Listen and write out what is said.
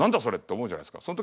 それって思うじゃないですか。